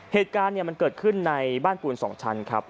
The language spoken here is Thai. เหตุการณ์มันเกิดขึ้นในบ้านปูน๒ชั้นครับ